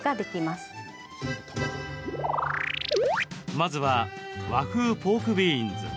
まずは、和風ポークビーンズ。